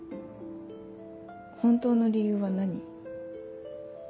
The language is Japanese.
本当の理由は何？